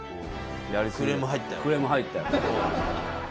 クレーム入ったよね。